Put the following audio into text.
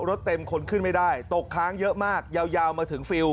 รถเต็มคนขึ้นไม่ได้ตกค้างเยอะมากยาวมาถึงฟิลล